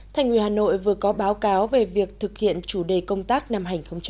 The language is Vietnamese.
thành nguyên hà nội vừa có báo cáo về việc thực hiện chủ đề công tác năm hai nghìn một mươi chín